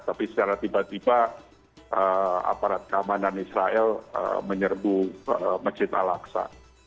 tapi secara tiba tiba aparat keamanan israel menyerbu masjid al aqsa